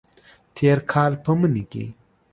تیر کال په مني کې